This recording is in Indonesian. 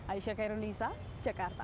aisyah khairul nisa jakarta